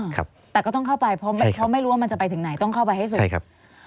ครับแต่ก็ต้องเข้าไปเพราะไม่รู้ว่ามันจะไปถึงไหนต้องเข้าไปให้สุดใช่ครับ